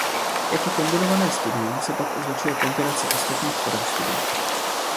Jako kombinované studium se pak označuje kombinace ostatních forem studia.